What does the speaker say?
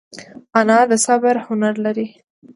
انا د صبر هنر لري